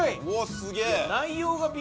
すげえ！